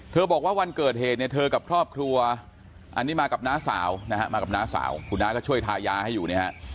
บอกว่าวันเกิดเหตุเนี่ยเธอกับครอบครัวอันนี้มากับน้าสาวนะฮะมากับน้าสาวคุณน้าก็ช่วยทายาให้อยู่เนี่ยฮะ